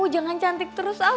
jangan cantik terus ah